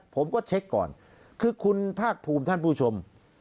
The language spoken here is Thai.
ผมก็เช็คก่อนคือคุณภาคภูมิท่านผู้ชม